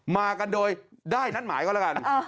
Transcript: มากันโดยได้นัดหมายก็แล้วกัน